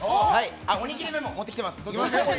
あっおにぎりメモ持ってきてます。